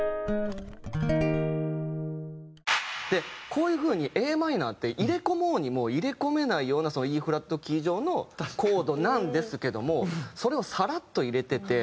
こういう風にＡｍって入れ込もうにも入れ込めないようなＥ♭キー上のコードなんですけどもそれをサラッと入れてて。